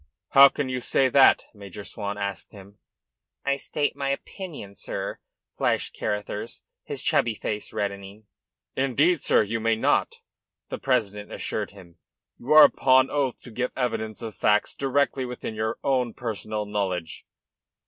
"How can you say that?" Major Swan asked him. "I may state my opinion, sir," flashed Carruthers, his chubby face reddening. "Indeed, sir, you may not," the president assured him. "You are upon oath to give evidence of facts directly within your own personal knowledge."